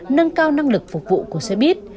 nâng cao năng lực phục vụ của xe buýt